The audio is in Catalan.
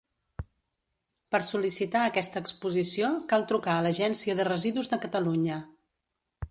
Per sol·licitar aquesta exposició cal trucar a l'Agència de Residus de Catalunya.